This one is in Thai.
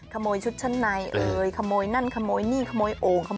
ขโมยชุดชั้นในขโมยนั่นขโมยนี่ขโมยโอ่ง